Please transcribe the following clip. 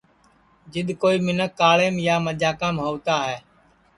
جِد کوئی مینکھ کاݪیم یا مجاکام ہووتا ہے